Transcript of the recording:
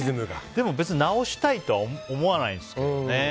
でも、別に直したいとは思わないですけどね。